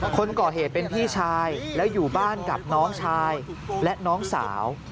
คนก่อเหตุเป็นพี่ชายแล้วอยู่บ้านกับน้องชายและน้องสาว